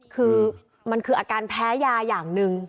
คือมันคืออาการแพ้ยาอย่างหนึ่ง